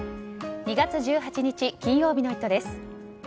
２月１８日、金曜日の「イット！」です。